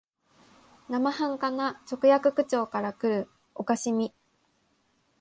生半可な直訳口調からくる可笑しみ、